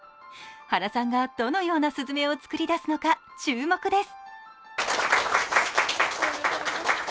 原さんが、どのようなすずめを作り出すのか注目です。